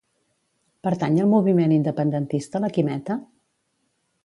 Pertany al moviment independentista la Quimeta?